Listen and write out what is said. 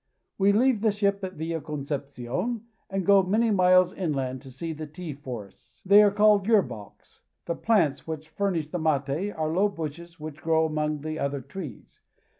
Gathering Mate. We leave the ship at Villa Concepcion and go many miles inland to see the tea forests. They are called yer balcs. The plants which furnish the mate are low bushes 236 PARAGUAY. which grow among the other trees.